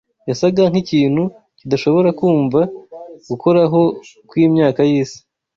Yasaga nkikintu kidashobora kumva Gukoraho kwimyaka yisi